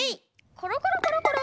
コロコロコロコロ。